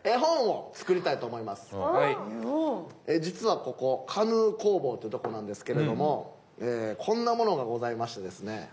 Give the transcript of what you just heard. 実はここカヌー工房というとこなんですけれどもこんなものがございましてですね。